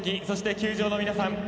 そして球場の皆さん。